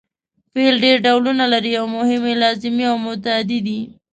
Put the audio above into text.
فعل ډېر ډولونه لري او مهم یې لازمي او متعدي دي.